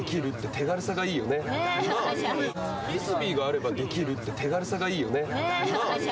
フリスビーがあればできるって手軽さがいいよね。ね。